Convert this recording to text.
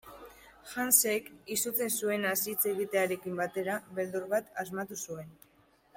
Hansek, izutzen zuenaz hitz egitearekin batera, beldur bat asmatu zuen.